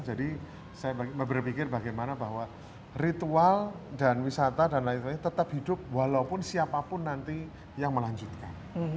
saya berpikir bagaimana bahwa ritual dan wisata dan lain lain tetap hidup walaupun siapapun nanti yang melanjutkan